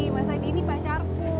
mas adi ini pacarku